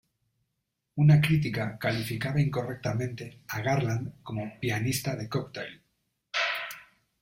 Una crítica calificaba incorrectamente a Garland como "pianista de cocktail".